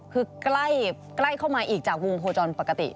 คือใกล้เข้ามาอีกจากวงโคจรปกติ